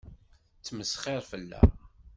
Ttmesxiṛen fell-aɣ.